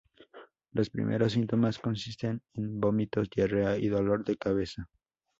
Los primeros síntomas consisten en vómitos, diarrea y dolor de cabeza.